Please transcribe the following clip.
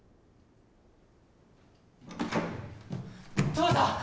・父さん！